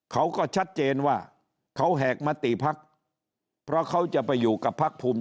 เขาก็ชัดเจนว่าเขาแหกมติพักเพราะเขาจะไปอยู่กับพักภูมิ